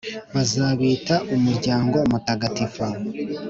bazabita ’umuryango mutagatifu’,